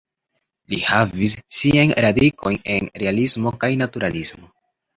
Li havis siajn radikojn en Realismo kaj Naturalismo.